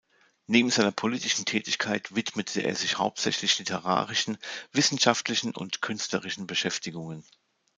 Neben seiner politischen Tätigkeit widmete er sich hauptsächlich literarischen, wissenschaftlichen und künstlerischen Beschäftigungen.